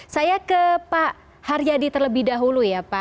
saya ke pak haryadi terlebih dahulu ya pak